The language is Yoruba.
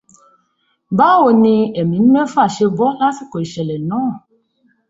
Báwo ní ẹ̀mí mẹ́fà ṣe bọ́ lásìkò ìṣẹ̀lẹ̀ náà?